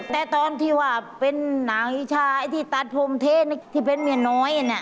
แต่ตอนที่เป็นหน้าฮิชาไอ้ที่ตอดโพมเทเป็นเมียน้อยนะ